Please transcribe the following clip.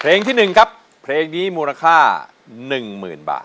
เพลงที่๑ครับเพลงนี้มูลค่า๑๐๐๐บาท